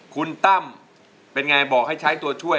คุณตั้มเป็นไงบอกให้ใช้ตัวช่วย